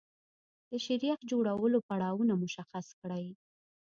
د شیریخ جوړولو پړاوونه مشخص کړئ.